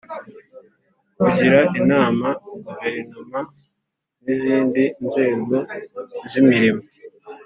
kugira inama guverinoma n’izindi nzego z’imirimo